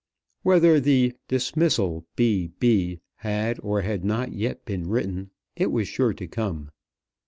Whether the "Dismissal B. B." had or had not yet been written, it was sure to come.